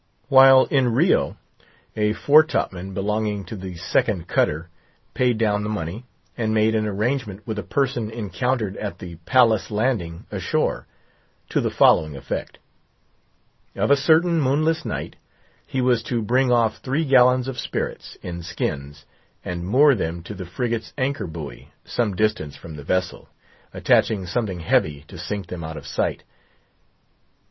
While in Rio, a fore top man, belonging to the second cutter, paid down the money, and made an arrangement with a person encountered at the Palace landing ashore, to the following effect. Of a certain moonless night, he was to bring off three gallons of spirits, in skins, and moor them to the frigate's anchor buoy—some distance from the vessel—attaching something heavy, to sink them out of sight.